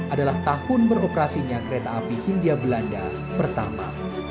seribu delapan ratus enam puluh tujuh adalah tahun beroperasinya kereta api hindia belanda pertama